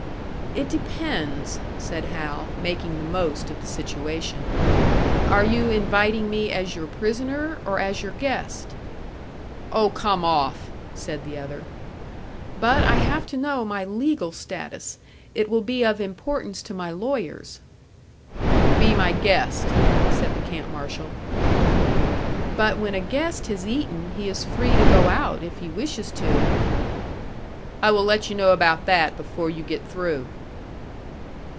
"It depends," said Hal, making the most of the situation. "Are you inviting me as your prisoner, or as your guest?" "Oh, come off!" said the other. "But I have to know my legal status. It will be of importance to my lawyers." "Be my guest," said the camp marshal. "But when a guest has eaten, he is free to go out, if he wishes to!" "I will let you know about that before you get through."